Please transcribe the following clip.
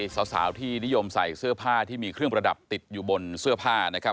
สาวที่นิยมใส่เสื้อผ้าที่มีเครื่องประดับติดอยู่บนเสื้อผ้านะครับ